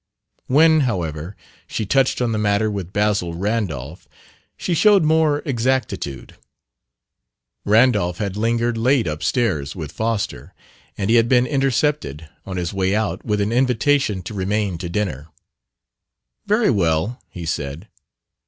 When, however, she touched on the matter with Basil Randolph she showed more exactitude. Randolph had lingered late upstairs with Foster, and he had been intercepted, on his way out, with an invitation to remain to dinner. "Very well," he said.